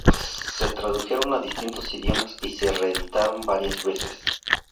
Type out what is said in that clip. Se tradujeron a distintos idiomas y se reeditaron varias veces.